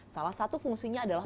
salah satu fungsinya adalah